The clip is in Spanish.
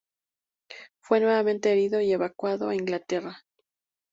Fue nuevamente herido y evacuado a Inglaterra.